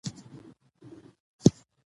زردالو د افغانستان د بشري فرهنګ برخه ده.